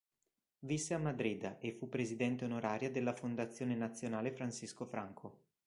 Visse a Madrid e fu presidente onoraria della Fondazione Nazionale Francisco Franco.